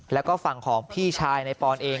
แล้วก็ฝั่งของพี่ชายในปอนเอง